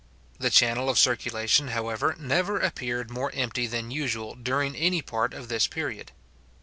The channel of circulation, however, never appeared more empty than usual during any part of this period.